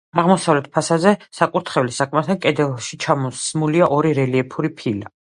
აღმოსავლეთ ფასადზე, საკურთხევლის სარკმელთან, კედელში ჩასმულია ორი რელიეფური ფილა.